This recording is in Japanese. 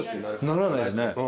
ならないですね